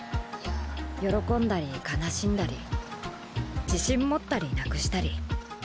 喜んだり悲しんだり自信持ったりなくしたり。